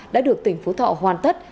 đã được tỉnh phú thọ hoàn tất